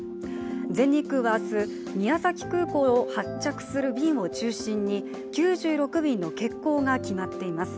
全日空は明日、宮崎空港を発着する便を中心に９６便の欠航が決まっています。